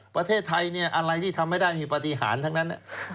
ประเทศไทยเนี่ยอะไรที่ทำไม่ได้มีปฏิหารทั้งนั้น